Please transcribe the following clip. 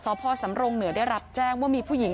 พ่อสำรงเหนือได้รับแจ้งว่ามีผู้หญิง